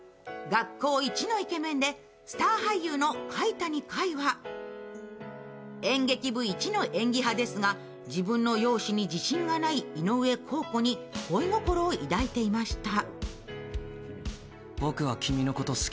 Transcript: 学校いちのイケメンでスター俳優の甲斐谷開は演劇部いちの演技派ですが自分の容姿に自身がない井上公子に恋心を抱いていました。